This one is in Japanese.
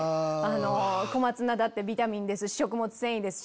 小松菜だってビタミンですし食物繊維ですし。